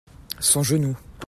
son genou.